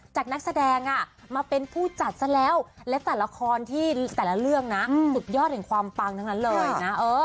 นักแสดงมาเป็นผู้จัดซะแล้วและแต่ละครที่แต่ละเรื่องนะสุดยอดแห่งความปังทั้งนั้นเลยนะ